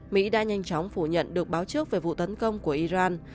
mỹ đã nhanh chóng phủ nhận được báo trước về vụ tấn công của iran